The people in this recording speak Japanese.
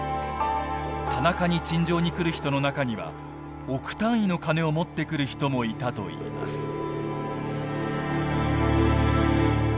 田中に陳情に来る人の中には億単位の金を持ってくる人もいたといいます。